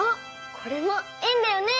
これも円だよね。